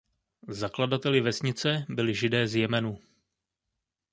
Zakladateli vesnice byli Židé z Jemenu.